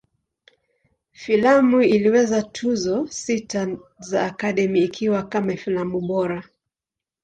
Filamu ilipewa Tuzo sita za Academy, ikiwa kama filamu bora.